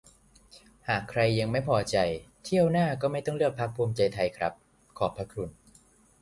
"หากใครยังไม่พอใจ เที่ยวหน้าก็ไม่ต้องเลือกพรรคภูมิใจไทยครับ ขอบพระคุณ"